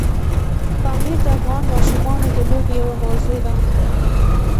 پامیر د افغان ماشومانو د لوبو یوه موضوع ده.